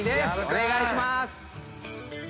お願いします。